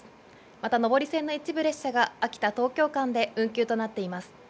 また上り線の一部列車が秋田・東京間で運休となっています。